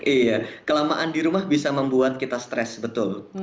iya kelamaan di rumah bisa membuat kita stres betul